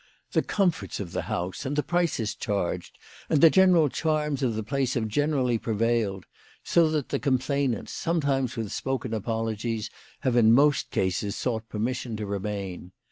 The comforts of the house, and the prices charged, and the general charms of the place have generally prevailed, so that the complainants, sometimes with spoken apologies, have in most cases sought permission to remain.